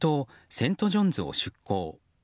セントジョンズを出航。